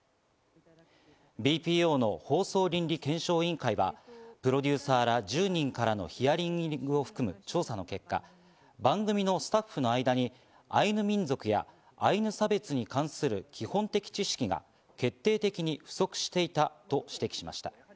ＢＰＯの放送倫理検証委員会はプロデューサーら１０人からのヒアリングを含む調査の結果、番組のスタッフの間にアイヌ民族やアイヌ差別に関する基本的知識が決定的に不足していたと指摘しました。